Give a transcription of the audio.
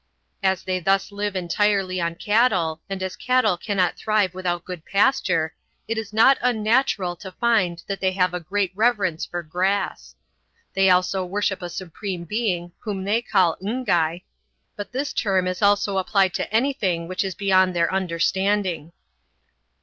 As they thus live entirely on cattle, and as cattle cannot thrive without good pasture, it is not unnatural to find that they have a great reverence for grass. They also worship a Supreme Being whom they call N'gai, but this term is also applied to anything which is beyond their understanding.